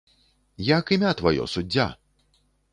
Як імя тваё, суддзя?